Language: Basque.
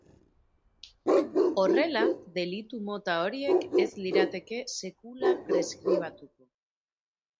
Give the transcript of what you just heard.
Horrela, delitu mota horiek ez lirateke sekula preskribatuko.